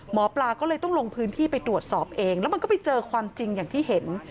หมอปลาก็เลยต้องลงพื้นที่ไปตรวจสอบเองแล้วมันก็ไปเจอความจริงอย่างที่เห็น